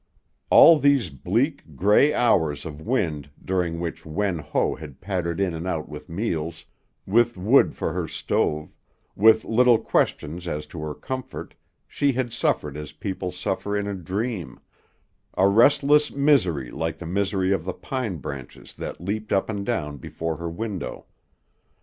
All these bleak, gray hours of wind during which Wen Ho had pattered in and out with meals, with wood for her stove, with little questions as to her comfort, she had suffered as people suffer in a dream; a restless misery like the misery of the pine branches that leaped up and down before her window.